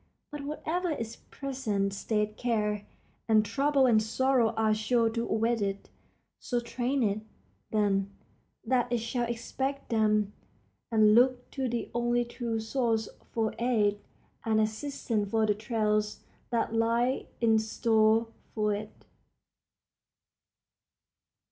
But whatever its present state care and trouble and sorrow are sure to await it. So train it, then, that it shall expect them and look to the only true source for aid and assistance for the trials that lie in store for it.